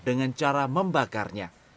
dengan cara membakarnya